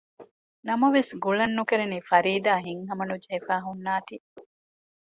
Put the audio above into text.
ނަމަވެސް ގުޅަން ނުކެރެނީ ފަރީދާ ހިތްހަމަ ނުޖެހިފައި ހުންނާތީ